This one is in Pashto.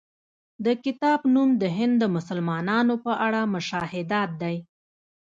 د کتاب نوم د هند د مسلمانانو په اړه مشاهدات دی.